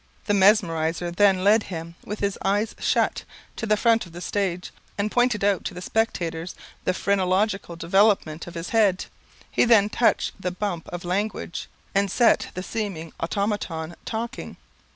The mesmerizer then led him, with his eyes shut, to the front of the stage, and pointed out to the spectators the phrenological development of his head; he then touched the bump of language, and set the seeming automaton talking.